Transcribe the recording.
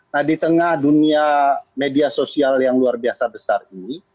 nah di tengah dunia media sosial yang luar biasa besar ini